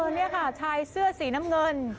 นี่ค่ะชายเสื้อสีน้ำเงิน